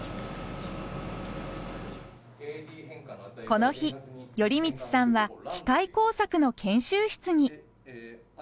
この日依光さんは機械工作の研修室に。